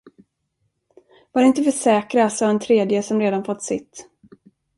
Var inte för säkra, sade en tredje, som redan fått sitt.